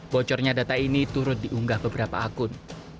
bocornya data ini turut diunggah beberapa akun